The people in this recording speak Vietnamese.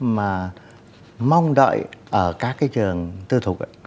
mà mong đợi ở các cái trường tư thuộc